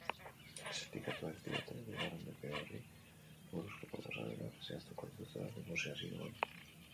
Sindikatuek diote bigarren epe horri buruzko proposamenak zehaztuko dituztela negoziazioan.